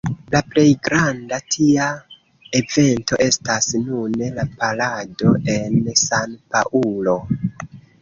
La plej granda tia evento estas nune la parado en San-Paŭlo.